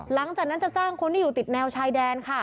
หลังจากนั้นจะจ้างคนที่อยู่ติดแนวชายแดนค่ะ